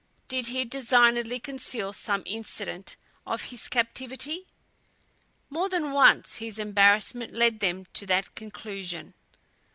Did he designedly conceal some incident of his captivity? More than once his embarrassment led them to that conclusion.